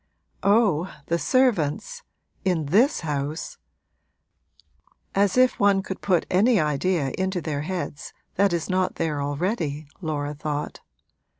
'Oh, the servants in this house; as if one could put any idea into their heads that is not there already!' Laura thought.